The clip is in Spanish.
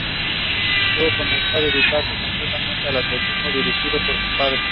Luego comenzó a dedicarse completamente al atletismo, dirigido por su padre.